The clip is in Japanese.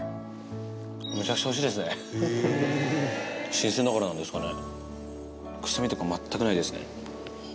新鮮だからなんですかね。